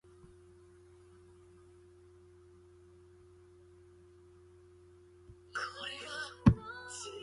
我的駕照要換了